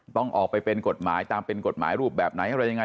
ต้องออกไปเป็นกฎหมายตามเป็นกฎหมายรูปแบบไหนอะไรยังไง